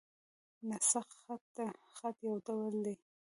نسخ خط؛ د خط یو ډول دﺉ.